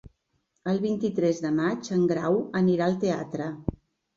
El vint-i-tres de maig en Grau anirà al teatre.